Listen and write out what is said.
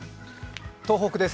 東北です